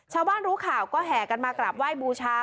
รู้ข่าวก็แห่กันมากราบไหว้บูชา